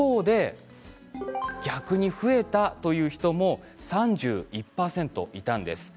逆に増えたという人も３１％いました。